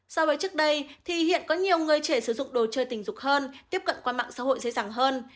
so với trước đây thì hiện có nhiều người trẻ sử dụng đồ chơi tình dục hơn tiếp cận qua mạng xã hội dễ dàng hơn